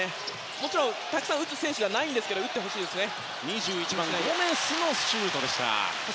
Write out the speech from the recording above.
もちろん、たくさん打つ選手じゃないですが打ってほしいですね。